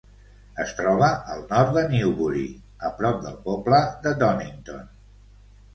Es troba al nord de Newbury, a prop del poble de Donnington.